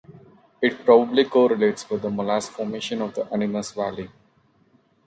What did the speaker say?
It probably correlates with the Molas Formation of the Animas Valley.